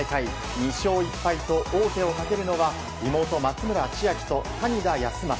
２勝１敗と王手をかけるのは妹・松村千秋と谷田康真。